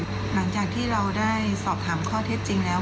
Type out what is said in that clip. หลังจากที่เราได้สอบถามข้อเท็จจริงแล้ว